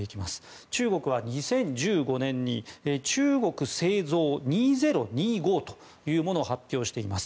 中国は２０１５年に中国製造２０２５というものを発表しています。